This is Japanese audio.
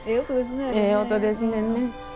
ええ音ですよね。